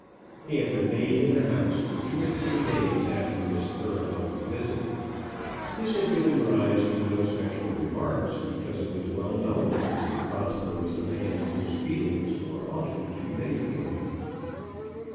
He had remained in the house for two or three days after Miss Thoroughbung's visit. This had given rise to no special remarks, because it was well known that Mr. Prosper was a man whose feelings were often too many for him.